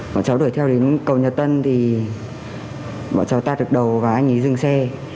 bọn cháu đuổi theo đến cầu nhật tân thì bọn cháu ta được đầu và anh ý dừng xe